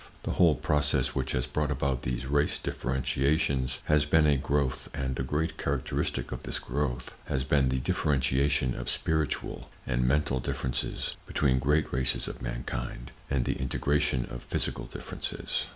The whole process which has brought about these race differentiations has been a growth, and the great characteristic of this growth has been the differentiation of spiritual and mental[Pg 9] differences between great races of mankind and the integration of physical differences.